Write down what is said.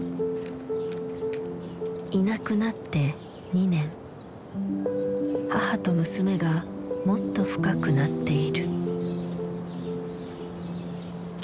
いなくなって２年母と娘がもっと深くなっている。